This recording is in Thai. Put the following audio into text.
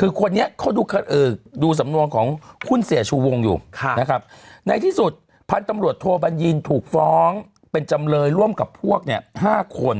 คือคนนี้เขาดูสำนวนของหุ้นเสียชุวงค์อยู่ในที่สุดพันธุ์ตำรวจโทบันยินถูกฟ้องเป็นจำเลยร่วมกับพวก๕คน